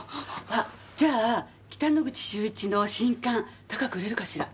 あっじゃあ北之口秀一の新刊高く売れるかしら？